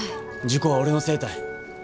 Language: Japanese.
事故は俺のせいたい。